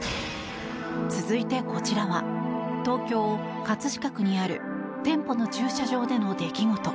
続いてこちらは東京・葛飾区にある店舗の駐車場での出来事。